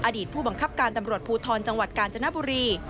อดีตผู้บังคับการตำรวจภูทรจังหวัดกาญจนบุรี